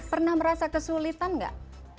pernah merasa kesulitan nggak